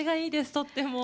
とっても。